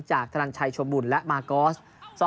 จากธนาชัยชมบุรและมากอส